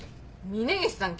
峰岸さん